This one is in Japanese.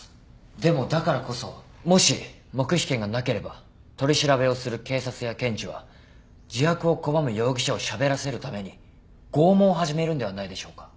でもだからこそもし黙秘権がなければ取り調べをする警察や検事は自白を拒む容疑者をしゃべらせるために拷問を始めるんではないでしょうか？